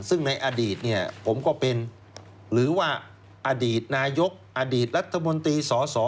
ซึ่งในอดีตเนี่ยผมก็เป็นหรือว่าอดีตนายกอดีตรัฐมนตรีสส